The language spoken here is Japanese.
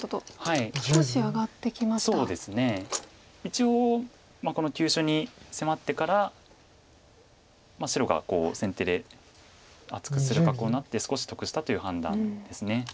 一応この急所に迫ってから白が先手で厚くする格好になって少し得したという判断です。